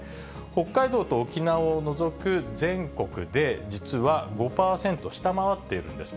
北海道と沖縄を除く全国で、実は５％下回っているんです。